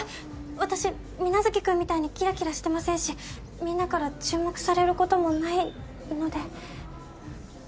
私皆月君みたいにキラキラしてませんしみんなから注目されることもないので。